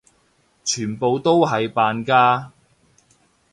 全部都係扮㗎！